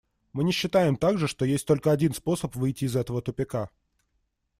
Мы не считаем также, что есть только один способ выйти из этого тупика.